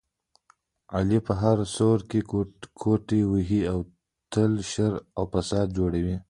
علي په هره سوړه کې ګوتې وهي، تل شر او فساد جوړوي.